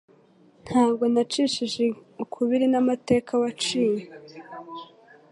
Nta bwo nacishije ukubiri n’amateka waciye